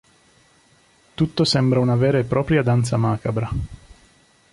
Tutto sembra una vera e propria danza macabra.